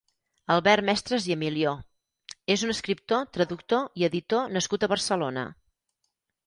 Albert Mestres i Emilió és un escriptor, traductor i editor nascut a Barcelona.